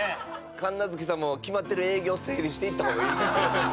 神奈月さんも決まってる営業整理していった方がいいですね。